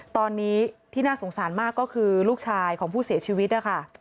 ตอนนี้ที่น่าสงสารมากก็คือลูกชายของผู้เสียชีวิตนะคะ